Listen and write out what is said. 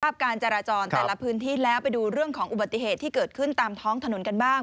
การจราจรแต่ละพื้นที่แล้วไปดูเรื่องของอุบัติเหตุที่เกิดขึ้นตามท้องถนนกันบ้าง